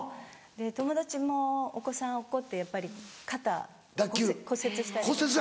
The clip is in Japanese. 友達もお子さん落っこってやっぱり肩骨折したりとか。